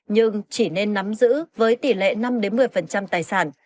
nhưng chỉ nên nắm giữ với tỷ lệ năm một mươi tài sản